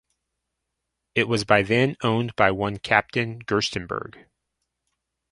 It was by then owned by one captain Gerstenberg.